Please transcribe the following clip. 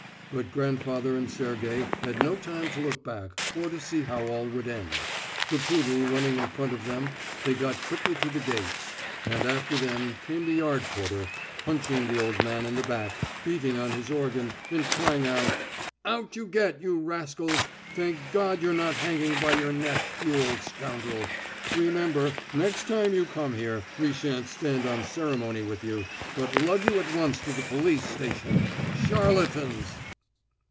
But grandfather and Sergey had no time to look back or to see how all would end. The poodle running in front of them, they got quickly to the gates, and after them came the yard porter, punching the old man in the back, beating on his organ, and crying out: "Out you get, you rascals! Thank God that you're not hanging by your neck, you old scoundrel. Remember, next time you come here, we shan't stand on ceremony with you, but lug you at once to the police station. Charlatans!"